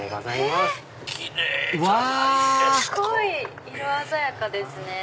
すごい色鮮やかですね。